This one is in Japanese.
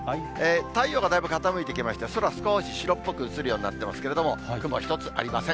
太陽がだいぶ傾いてきまして、空少し白っぽく映るようになってますけど、雲一つありません。